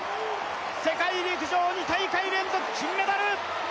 世界陸上２大会連続金メダル！